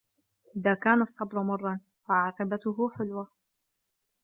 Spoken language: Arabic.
إذا كان الصبر مُرًّا فعاقبته حلوة